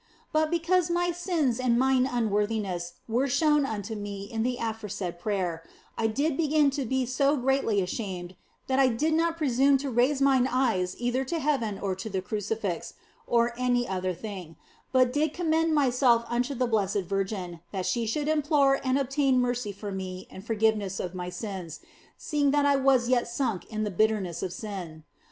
But because my sins and mine unworthiness were showed unto me in the aforesaid prayer, I did begin to be so greatly ashamed OF FOLIGNO that I did not presume to raise mine eyes either to heaven or to the Crucifix, or any other thing, but did commend myself unto the Blessed Virgin, that she should implore and obtain mercy for me and forgiveness of my sins, seeing that I was yet sunk in the bitterness of sin.